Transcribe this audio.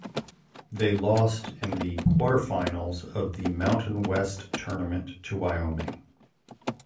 They lost in the quarterfinals of the Mountain West Tournament to Wyoming.